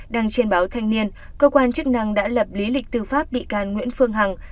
đăng trên báo thanh niên cơ quan chức năng đã lập lý lịch tư pháp bị can nguyễn phương hằng